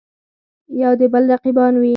یودبل رقیبان وي.